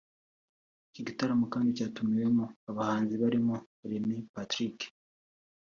Iki gitaramo kandi cyatumiwemo abahanzi barimo René Patrick